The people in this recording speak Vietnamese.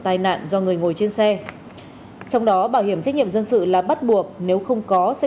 tai nạn do người ngồi trên xe trong đó bảo hiểm trách nhiệm dân sự là bắt buộc nếu không có sẽ